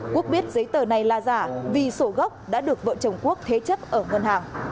quốc biết giấy tờ này là giả vì sổ gốc đã được vợ chồng quốc thế chấp ở ngân hàng